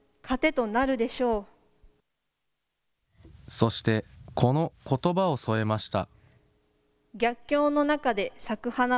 そして、このことばを添えました。